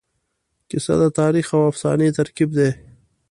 کیسه د تاریخ او افسانې ترکیب دی.